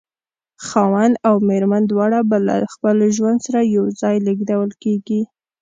خاوند او مېرمن دواړه به له خپل زوی سره یو ځای لېږدول کېږي.